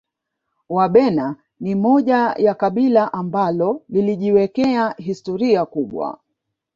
Wabena ni moja ya kabila ambalo lilijiwekea historia kubwa